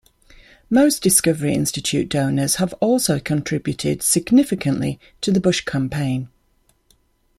Most Discovery Institute donors have also contributed significantly to the Bush campaign.